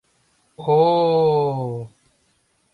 О-о-о-о-о!